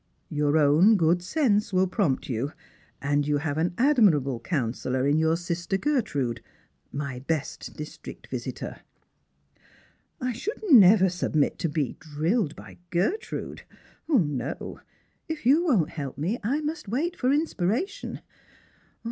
Your own good sense will prompt you, and you have an admirable counsellor in your sister Gertrude, my best district visitor." " I should never submit to be drilled by Gertrude. No ; if you won't help me, I must wait for inspiration.